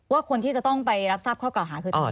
ว่าคนที่จะต้องไปรับทราบข้อกล่าวหาคือตำรวจ